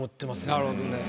なるほどね。